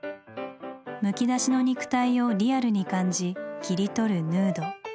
むき出しの肉体をリアルに感じ切り取るヌード。